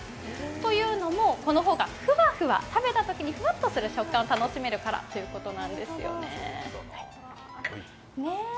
というのも、この方が食べたときにふわっとした食感を楽しめるからということなんですよね。